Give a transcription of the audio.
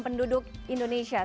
pertumbuhan penduduk indonesia